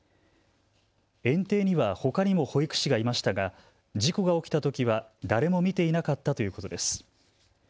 園庭にはほかにも保育士がいましたが事故が起きたときは誰も見ていなかったということです。